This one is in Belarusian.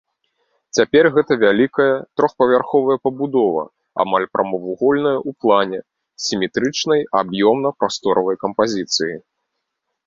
Цяпер гэта вялікая трохпавярховая пабудова, амаль прамавугольная ў плане, сіметрычнай аб'ёмна-прасторавай кампазіцыі.